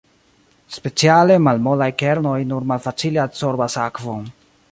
Speciale malmolaj kernoj nur malfacile absorbas akvon.